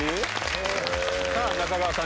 さぁ中川さん